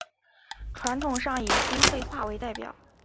传统上以新会话为代表。